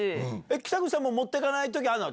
北口さんも持ってかないときあるの？